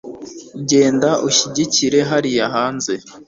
genda ushyigikire hariya hanze